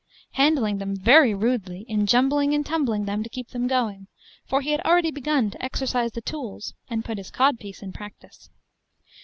handling them very rudely in jumbling and tumbling them to keep them going; for he had already begun to exercise the tools, and put his codpiece in practice.